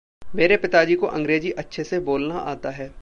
मेरे पिताजी को अंग्रेज़ी अच्छे से बोलना आता है।